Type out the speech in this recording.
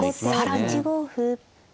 更に。